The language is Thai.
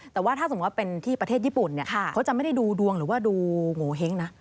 แต่ว่าถ้าสมมุติเป็นที่ประเทศญี่ปุ่นเนี่ยเขาจะไม่ได้ดูดวงหรือว่าดูโงเห้งนะ